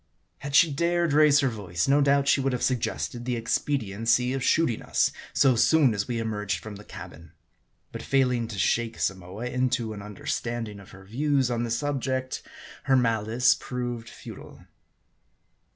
Had she dared raise her voice, no doubt she would have suggested the expediency of shooting us so soon as we emerged from the cabin. But failing to shake Samoa into an understanding of her views on the sub ject, her malice proved futile.